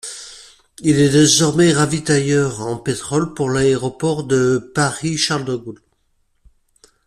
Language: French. Il est désormais ravitailleur en pétrole pour l'aéroport de Paris-Charles-de-Gaulle.